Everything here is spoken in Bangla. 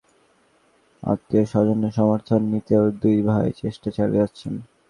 বিশেষ করে নিজেদের আত্মীয়স্বজনের সমর্থন নিতেও দুই ভাই চেষ্টা চালিয়ে যাচ্ছেন।